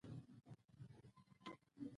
اولادونه یې نن دیني عالمان او عالي تربیه لري.